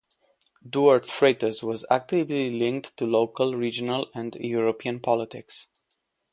Duarte Freitas was actively linked to local, regional and European politics.